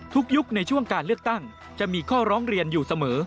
ยุคในช่วงการเลือกตั้งจะมีข้อร้องเรียนอยู่เสมอ